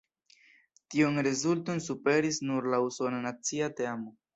Tiun rezulton superis nur la usona nacia teamo.